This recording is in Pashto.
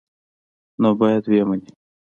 نو باید ویې مني.